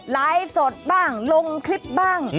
ไลฟ์สดบ้างลงคลิปบ้าง